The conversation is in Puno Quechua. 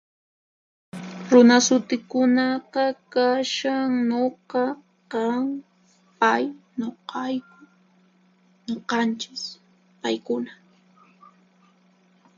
Runa sutikunaqa kashan: Nuqa, qan, pay, nuqayku, nuqanchis, paykuna.